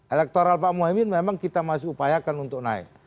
elektoral pak muhaymin memang kita masih upayakan untuk naik